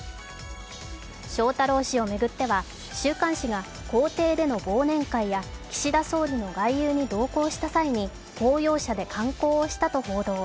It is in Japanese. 翔太郎氏を巡っては週刊誌が公邸での忘年会や岸田総理の外遊に同行した際に公用車で観光をしたと報道。